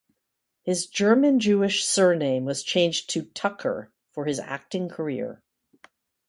His German Jewish surname was changed to "Tucker" for his acting career.